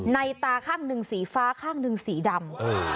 ในตาข้างนึงสีฟ้าข้างนึงสีดำ